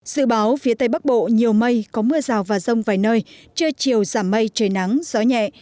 dự báo phía tây bắc bộ nhiều mây có mưa rào và rông vài nơi trưa chiều giảm mây trời nắng gió nhẹ